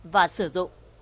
và sử dụng